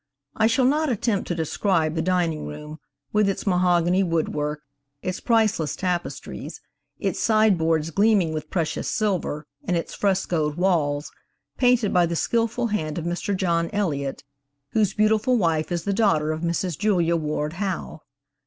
I shall not attempt to describe the dining room, with its mahogany woodwork, its priceless tapestries, its sideboards gleaming with precious silver, and its frescoed walls, painted by the skilful hand of Mr. John Elliot, whose beautiful wife is the daughter of Mrs. Julia Ward Howe.